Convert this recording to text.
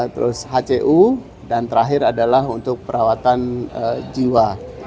terus hcu dan terakhir adalah untuk perawatan jiwa